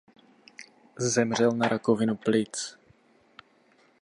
Zemřel na rakovinu plic.